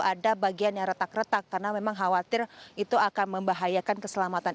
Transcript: ada bagian yang retak retak karena memang khawatir itu akan membahayakan keselamatan